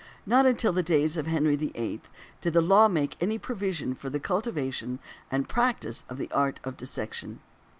Not until the days of Henry VIII. did the law make any provision for the cultivation and practice of the art of dissection.